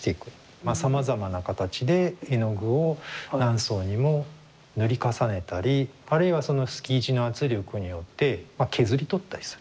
まあさまざまな形で絵の具を何層にも塗り重ねたりあるいはそのスキージの圧力によって削り取ったりする。